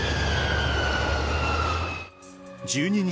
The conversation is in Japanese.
１２日